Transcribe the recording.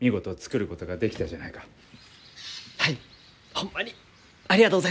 ホンマにありがとうございます。